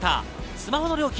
スマホの料金